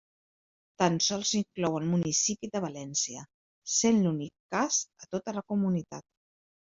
Tan sols inclou el municipi de València, sent l'únic cas a tota la comunitat.